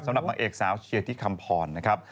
นางเอกสาวเชียร์ที่คำพรนะครับ